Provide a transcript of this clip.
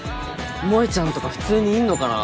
萌ちゃんとか普通にいんのかな。